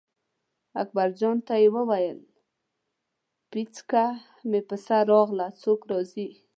اکبرجان ته یې وویل پیڅکه مې سر ته راغله څوک راځي.